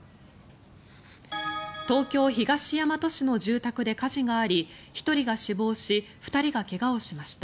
東京・東大和市の住宅で火事があり１人が死亡し２人が怪我をしました。